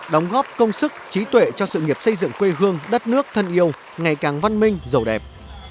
đóng góp công sức trí tuệ cho sự nghiệp xây dựng quê hương đất nước thân yêu ngày càng văn minh giàu đẹp